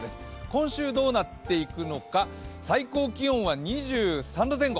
今週どうなっていくのか、最高気温は２３度前後。